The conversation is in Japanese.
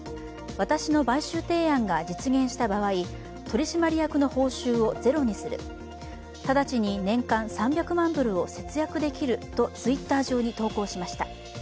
私の買収提案が実現した場合、取締役の報酬をゼロにする、直ちに年間３００万ドルを節約できるとツイッター上に投稿しました。